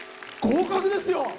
合格ですよ！